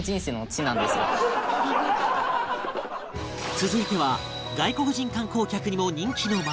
続いては外国人観光客にも人気の街